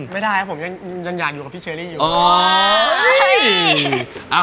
ไม่ได้ครับผมยังอยากอยู่กับพี่เชอรี่อยู่